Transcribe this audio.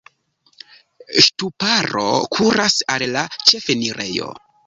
Ŝtuparo kuras al la ĉefenirejo.